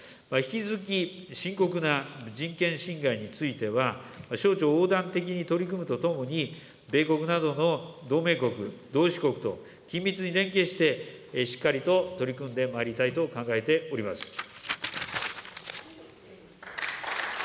引き続き、深刻な人権侵害については、省庁横断的に取り組むとともに、米国などの同盟国、同志国と緊密に連携して、しっかりと取り組んでまいりたいと考えております。